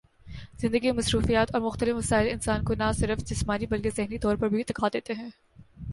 زندگی کی مصروفیات اور مختلف مسائل انسان کو نہ صرف جسمانی بلکہ ذہنی طور پر بھی تھکا دیتے ہیں